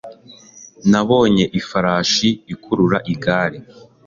Nabonye ifarashi ikurura igare